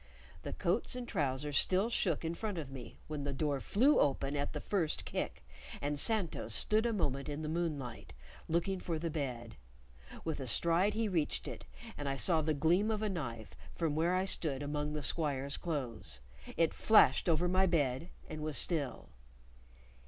The coats and trousers still shook in front of me when the door flew open at the first kick, and Santos stood a moment in the moonlight, looking for the bed. With a stride he reached it, and I saw the gleam of a knife from where I stood among the squire's clothes; it flashed over my bed, and was still.